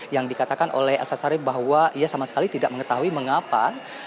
yang dikatakan oleh elsa syarif bahwa ia sama sekali tidak mengetahui mengapa